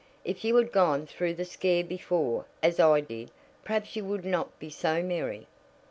"If you had gone through the scare before, as I did, perhaps you would not be so merry."